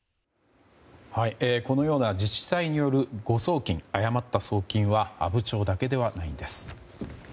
このような自治体による誤送金誤った送金は阿武町だけではないんです。